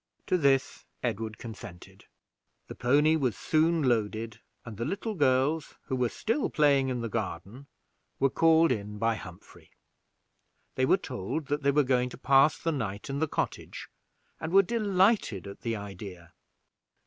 To this Edward consented. The pony was soon loaded, and the little girls, who were still playing in the garden, were called in by Humphrey. They were told that they were going to pass the night in the cottage, and were delighted at the idea.